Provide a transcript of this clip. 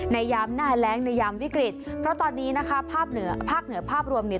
ยามหน้าแรงในยามวิกฤตเพราะตอนนี้นะคะภาคเหนือภาคเหนือภาพรวมเนี่ย